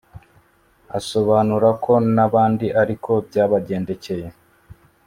Asobanura ko n’abandi ariko byabagendekeye